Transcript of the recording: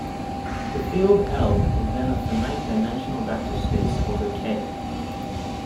The field "L" is then a finite dimensional vector space over "K".